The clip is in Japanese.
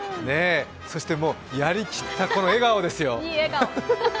そしてやりきったこの笑顔ですよ。